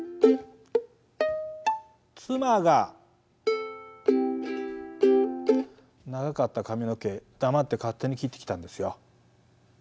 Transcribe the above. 妻が長かった髪の毛黙って勝手に切ってきたんですよ。